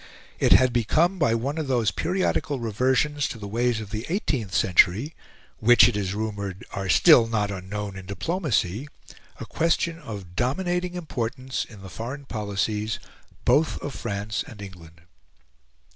It had become, by one of those periodical reversions to the ways of the eighteenth century, which, it is rumoured, are still not unknown in diplomacy, a question of dominating importance in the foreign policies both of France and England.